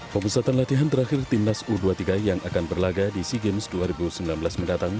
pemusatan latihan terakhir timnas u dua puluh tiga yang akan berlaga di sea games dua ribu sembilan belas mendatang